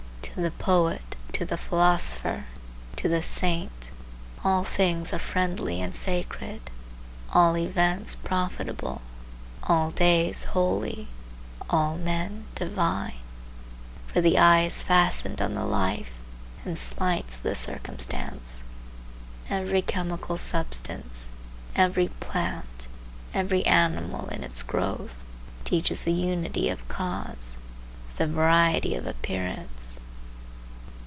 To the poet, to the philosopher, to the saint, all things are friendly and sacred, all events profitable, all days holy, all men divine. For the eye is fastened on the life, and slights the circumstance. Every chemical substance, every plant, every animal in its growth, teaches the unity of cause, the variety of appearance.